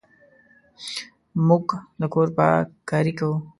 موږ د کور پاککاري کوو.